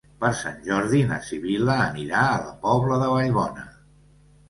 Per Sant Jordi na Sibil·la anirà a la Pobla de Vallbona.